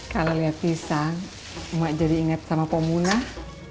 kalau lihat pisang emak jadi inget sama poh munah